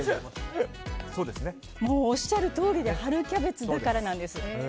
おっしゃるとおりで春キャベツだからなんですね。